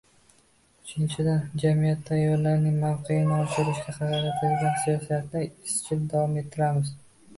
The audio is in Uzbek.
Uchinchidan, jamiyatda ayollarning mavqeini oshirishga qaratilgan siyosatni izchil davom ettiramiz.